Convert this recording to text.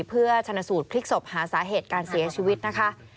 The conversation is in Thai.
เพื่อชนะสูตรพลิกศพหาสาเหตุการเสียชีวิตนะคะ